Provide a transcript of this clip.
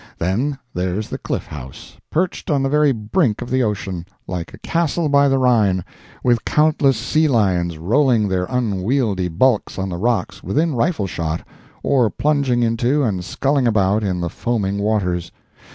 Then there's the Cliff House, perched on the very brink of the ocean, like a castle by the Rhine, with countless sea lions rolling their unwieldy bulks on the rocks within rifle shot, or plunging into and sculling about in the foaming waters.